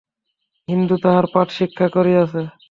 হিন্দু তাহার পাঠ শিক্ষা করিয়াছে।